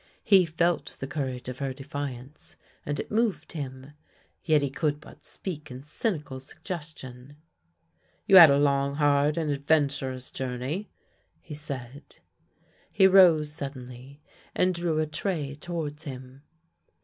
He felt the courage of her defiance, and it moved him. Yet he could but speak in cynical suggestion. " You had a long, hard, and adventurous journey," he said. He rose suddenly and drew a tray towards him.